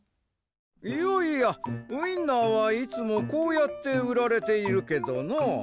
いやいやウインナーはいつもこうやってうられているけどなあ。